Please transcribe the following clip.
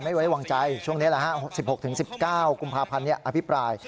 ไม่ไว้วางใจช่วงนี้ละ๑๖๑๙กภัณฑ์อภิปราย